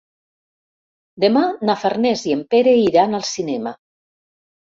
Demà na Farners i en Pere iran al cinema.